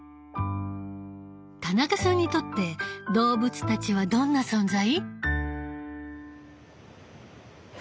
田中さんにとって動物たちはどんな存在？